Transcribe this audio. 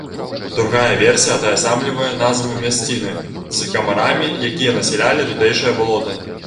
Другая версія атаясамлівае назву мясціны з камарамі, якія насялялі тутэйшае балота.